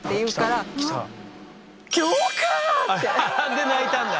で泣いたんだ。